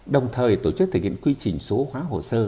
đồng thời tổ chức thực hiện quy trình số hóa hồ sơ